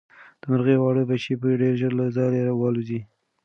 د مرغۍ واړه بچي به ډېر ژر له ځالې والوځي.